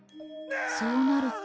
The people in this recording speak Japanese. そうなると」。